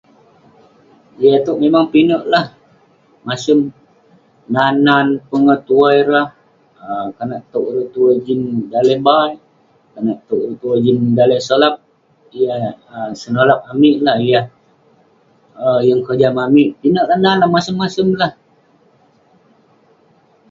Yah itouk memang pinek lah..masem, nan nan pengetuwai rah, konak towk ireh tuwai jin daleh bai, konak towk ireh tuwai jin daleh solap..yah senolap amik lah..yah um yeng kojam amik..pinek lah nan neh, masem masem lah..